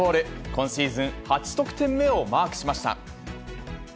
今シーズン８得点目をマークしました。